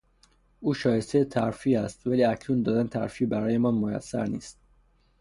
او شایستهی ترفیع استولی اکنون دادن ترفیع برایمان میسر نیست.